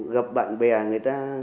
gặp bạn bè người ta